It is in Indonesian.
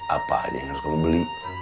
apa aja yang harus kamu beli